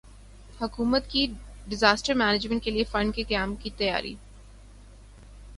حکومت کی disaster management کیلئے فنڈ کے قیام کی تیاری